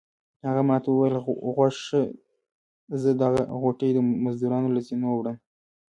هغه ما ته وویل غوږ شه زه دغه غوټې د مزدورانو له زینو وړم.